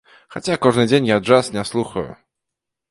Хаця, кожны дзень я джаз не слухаю.